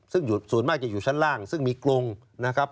ซึ่งส่วนมากจะอยู่ชั้นล่างซึ่งมีกรงนะครับ